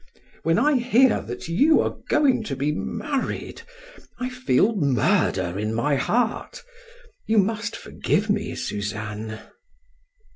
When I hear that you are going to be married, I feel murder in my heart. You must forgive me, Suzanne."